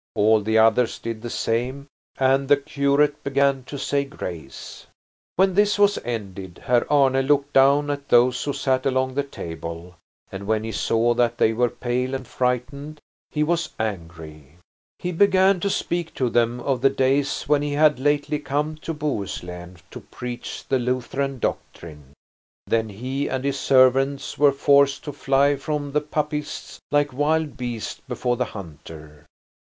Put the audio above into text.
All the others did the same, and the curate began to say grace. When this was ended, Herr Arne looked down at those who sat along the table, and when he saw that they were pale and frightened, he was angry. He began to speak to them of the days when he had lately come to Bohuslen to preach the Lutheran doctrine. Then he and his servants were forced to fly from the Papists like wild beasts before the hunter.